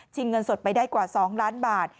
เงินสดไปได้กว่า๒ล้านบาท